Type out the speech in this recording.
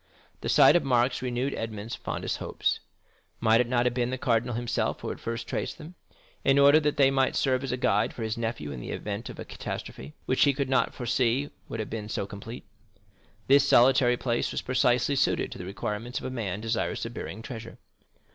The sight of marks renewed Edmond fondest hopes. Might it not have been the cardinal himself who had first traced them, in order that they might serve as a guide for his nephew in the event of a catastrophe, which he could not foresee would have been so complete. This solitary place was precisely suited to the requirements of a man desirous of burying treasure.